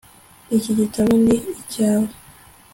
iki gitabo ni icyawe